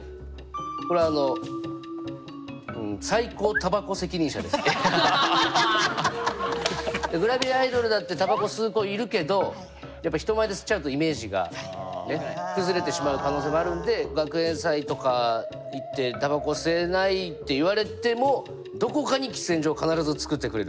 これはあのうんグラビアアイドルだってタバコ吸う子いるけどやっぱ人前で吸っちゃうとイメージが崩れてしまう可能性もあるんで学園祭とか行ってタバコ吸えないって言われてもどこかに喫煙所を必ず作ってくれる。